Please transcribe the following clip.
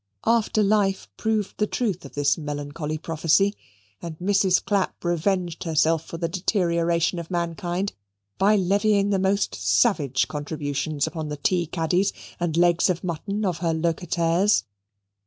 After life proved the truth of this melancholy prophecy, and Mrs. Clapp revenged herself for the deterioration of mankind by levying the most savage contributions upon the tea caddies and legs of mutton of her locataires.